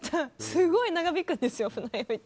すごい長引くんですよ、船酔い。